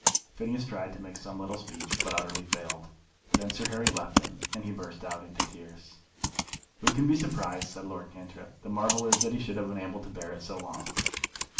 Phineas tried to make some little speech, but utterly failed. Then Sir Harry left them, and he burst out into tears. "Who can be surprised?" said Lord Cantrip. "The marvel is that he should have been able to bear it so long."